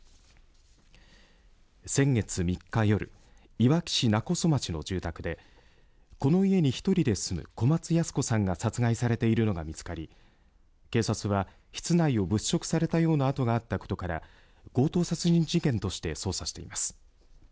先月３日夜いわき市勿来町の住宅でこの家に１人で住む小松ヤス子さんが殺害されているのが見つかり警察は室内を物色されたような跡があったことから強盗殺人事件として捜査しています。